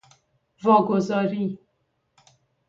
واگذاری